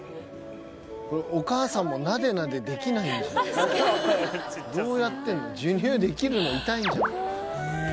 「これお母さんもなでなでできない」「どうやってんの？授乳できるの？」「痛いんじゃない？」